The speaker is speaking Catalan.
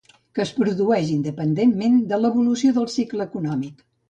Que es produeix independentment de l'evolució del cicle econòmic.